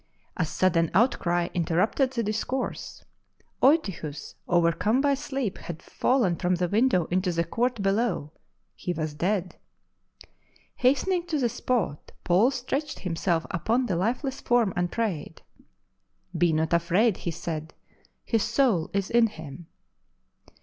A sudden outcry interiupted the discourse. Eutychus, overcome by sleep, had fallen from the window into the court below — ^he was dead. Hastening to the spot, Paul stretched himself upon the lifeless form and prayed. Be not afraid, he said, his soul is in him."